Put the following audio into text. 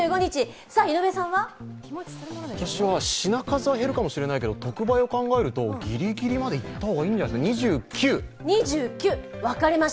品数は減るかもしれないけど特売を考えるとギリギリまでいった方がいいんじゃないですか。